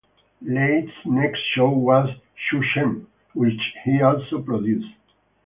Leigh's next show was "Chu Chem", which he also produced.